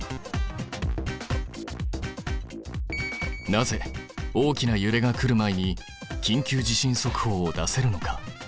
なぜ大きなゆれが来るまえに「緊急地震速報」を出せるのか？